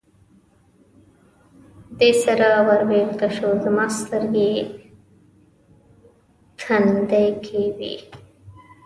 دې سره ور بېرته شو، زما سترګې تندې کې وې.